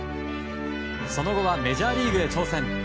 その後はメジャーリーグへ挑戦。